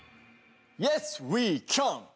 イエスウィーキャン。